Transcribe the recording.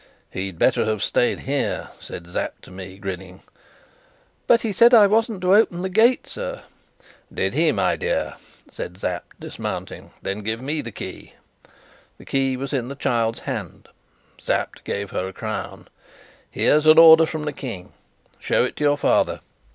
"He'd better have stayed here," said Sapt to me, grinning. "But he said I wasn't to open the gate, sir." "Did he, my dear?" said Sapt, dismounting. "Then give me the key." The key was in the child's hand. Sapt gave her a crown. "Here's an order from the King. Show it to your father.